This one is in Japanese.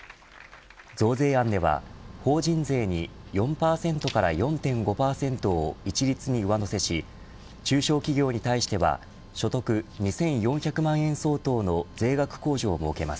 増税案では法人税に４％から４．５％を一律に上乗せし中小企業に対しては所得２４００万円相当の税額控除を設けます。